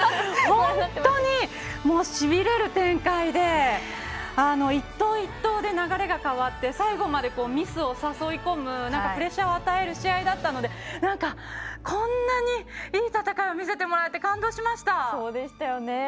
本当にしびれる展開で１投１投で流れが変わって最後までミスを誘い込むプレッシャーを与える試合だったのでこんなにいい戦いを見せてもらって感動しました！